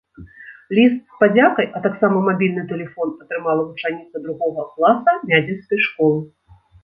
Ліст з падзякай, а таксама мабільны тэлефон атрымала вучаніца другога класа мядзельскай школы.